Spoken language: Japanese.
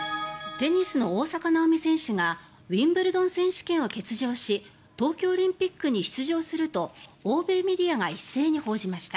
テニスの大坂なおみ選手がウィンブルドン選手権を欠場し東京オリンピックに出場すると欧米メディアが一斉に報じました。